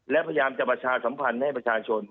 และพยายามจะประชาสัมภัณฑ์